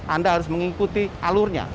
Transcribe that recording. anda harus mengikuti alurnya